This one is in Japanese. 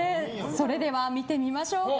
それでは見てみましょうか。